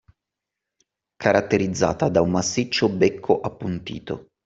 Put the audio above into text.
Caratterizzata da un massiccio becco appuntito